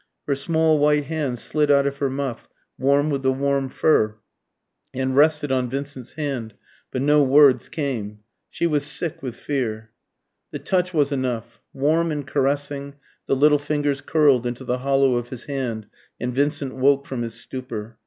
Her small white hand slid out of her muff, warm with the warm fur, and rested on Vincent's hand; but no words came. She was sick with fear. The touch was enough. Warm and caressing, the little fingers curled into the hollow of his hand and Vincent woke from his stupor.